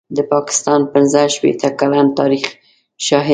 د پاکستان پنځه شپېته کلن تاریخ شاهد دی.